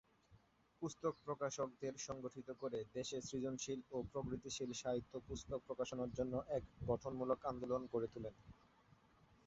পুস্তক প্রকাশকদের সংগঠিত করে দেশে সৃজনশীল ও প্রগতিশীল সাহিত্য পুস্তক প্রকাশনার জন্য এক গঠনমূলক আন্দোলন গড়ে তোলেন।